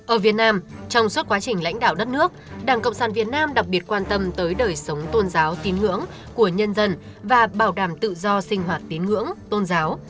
ở việt nam trong suốt quá trình lãnh đạo đất nước đảng cộng sản việt nam đặc biệt quan tâm tới đời sống tôn giáo tín ngưỡng của nhân dân và bảo đảm tự do sinh hoạt tín ngưỡng tôn giáo